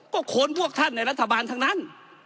ก็คนพวกท่านในรัฐบาลทั้งนั้น